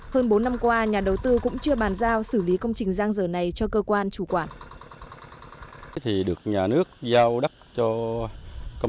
hơn bốn năm qua nhà đầu tư cũng chưa bàn giao xử lý công trình giang dở này cho cơ quan chủ quản